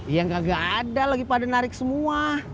ya nggak ada lagi pada narik semua